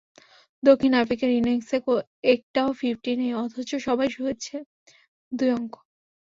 দক্ষিণ আফ্রিকার ইনিংসে একটাও ফিফটি নেই, অথচ সবাই ছুঁয়েছে দুই অঙ্ক।